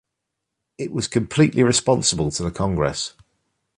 It was completely responsible to the Congress.